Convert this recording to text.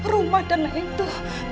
rumah dana itu